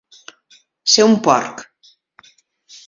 Ser un porc.